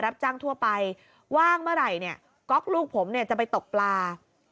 รับจ้างทั่วไปว่างเมื่อไหร่เนี่ยก๊อกลูกผมเนี่ยจะไปตกปลา